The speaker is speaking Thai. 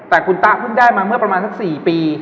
แต่คุณตาเพิ่งได้มาเมื่อประมาณสัก๔ปี